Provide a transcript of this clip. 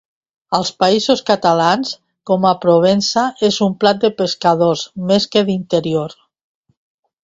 Als Països Catalans, com a Provença, és un plat de pescadors més que d'interior.